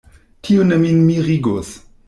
Tio ne min mirigus.